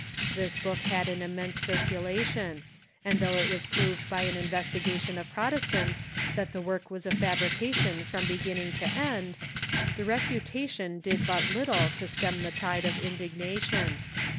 This book had an immense circula Ou^lfreaTs ^^^^'^^^ though it was proved by an investigation of Protestants that the work was a fabrication from beginning to end, the refutation did but little to stem the tide of indignation.